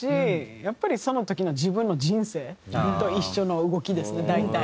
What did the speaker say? やっぱりその時の自分の人生と一緒の動きですね大体。